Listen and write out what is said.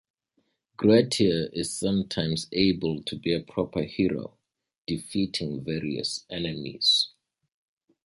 Grettir is sometimes able to be a proper hero, defeating various enemies.